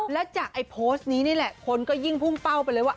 แล้วจากไอ้โพสต์นี้นี่แหละคนก็ยิ่งพุ่งเป้าไปเลยว่า